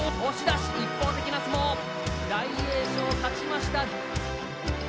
一方的な相撲大栄翔、勝ちました。